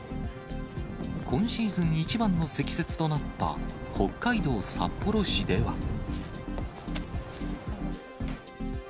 今シーズン一番の積雪となった北海道札幌市では。